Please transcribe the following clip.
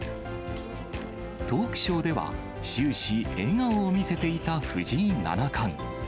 トークショーでは終始、笑顔を見せていた藤井七冠。